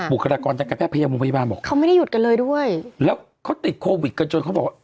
คลากรทางการแพทยามุมพยาบาลบอกเขาไม่ได้หยุดกันเลยด้วยแล้วเขาติดโควิดกันจนเขาบอกว่า